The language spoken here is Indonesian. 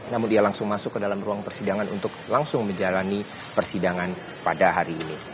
namun dia langsung masuk ke dalam ruang persidangan untuk langsung menjalani persidangan pada hari ini